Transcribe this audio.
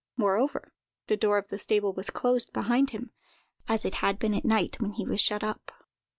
Moreover, the door of the stable was closed behind him, as it had been at night when he was shut up.